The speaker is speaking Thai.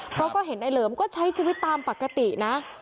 เพราะก็เห็นนายเหลิมก็ใช้ชีวิตตามปกตินะ